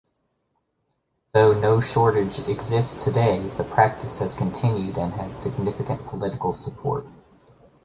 Though no shortage exists today, the practice has continued and has significant political support.